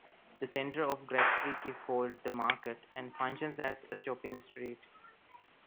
The centre of Gressvik is called "The Market", and functions as a shopping street.